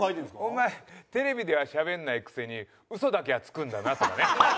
「お前テレビではしゃべんないくせに嘘だけはつくんだな」とかね。